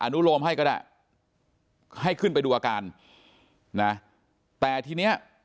อนุโลมให้ก็ได้ให้ขึ้นไปดูอาการนะแต่ทีเนี้ย